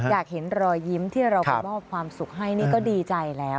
อยากเห็นรอยยิ้มที่เราไปมอบความสุขให้นี่ก็ดีใจแล้ว